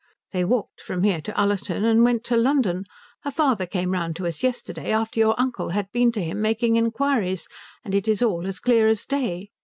"They walked from here to Ullerton and went to London. Her father came round to us yesterday after your uncle had been to him making inquiries, and it is all as clear as day.